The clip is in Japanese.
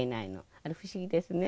あれ、不思議ですね。